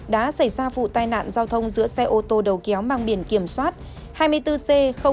đã xảy ra vụ tai nạn giao thông giữa xe ô tô đầu kéo mang biển kiểm soát hai mươi bốn c bốn nghìn một trăm hai mươi tám